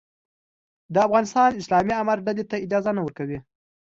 د افغانستان اسلامي امارت ډلې ته اجازه نه ورکوي.